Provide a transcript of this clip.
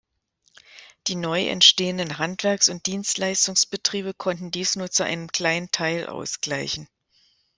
Die neu entstehenden Handwerks- und Dienstleistungsbetriebe konnten dies nur zu einem kleinen Teil ausgleichen.